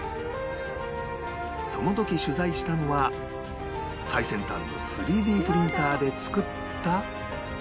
その時取材したのは最先端の ３Ｄ プリンターで作った